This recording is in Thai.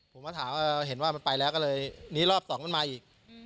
ผมมาถามมันไปแล้วลอบสองมันมาอีก